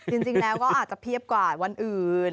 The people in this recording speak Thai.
จริงแล้วก็อาจจะเพียบกว่าวันอื่น